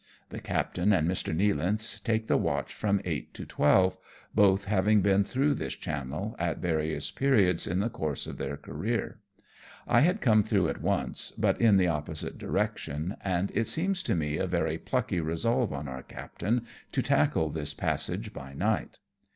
The captain and Mr. Nealance take the watch from eight to twelve, both having been through this channel, at various periods, in the course of their career. I had come through it once, but in the opposite direction, and it seems to me a very plucky resolve on our captain to tackle this passage by night.